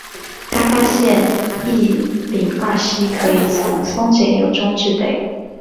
他发现异戊二烯可以从松节油中制备。